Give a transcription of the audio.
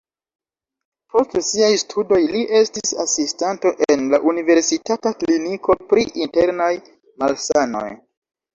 Post siaj studoj li estis asistanto en la universitata kliniko pri internaj malsanoj.